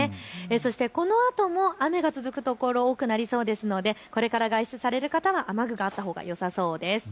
そしてこのあとも雨が続く所もありそうですのでこれから外出される方、雨具があったほうがよさそうです。